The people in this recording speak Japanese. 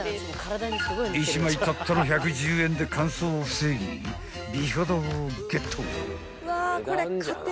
［１枚たったの１１０円で乾燥を防ぎ美肌をゲット］